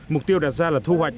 mục tiêu đạt ra là thu hoạch